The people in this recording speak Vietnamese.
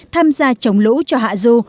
tham gia chống lũ cho hạ du